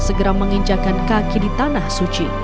segera menginjakan kaki di tanah suci